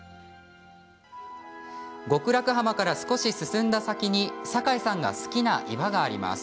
極楽浜から少し進んだ先に坂井さんが好きな岩があります。